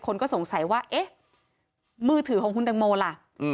คนก็สงสัยว่าเอ๊ะมือถือของคุณตังโมล่ะ